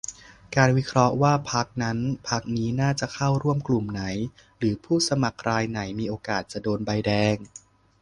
การวิเคราะห์ว่า พรรคนั้นพรรคนี้น่าจะเข้าร่วมกลุ่มไหน หรือผู้สมัครรายไหนมีโอกาสจะโดนใบแดง